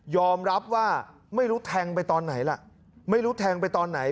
รับว่าไม่รู้แทงไปตอนไหนล่ะไม่รู้แทงไปตอนไหน